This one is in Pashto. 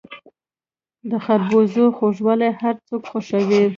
د خربوزو خوږوالی هر څوک خوښوي.